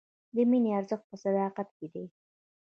د مینې ارزښت په صداقت کې دی.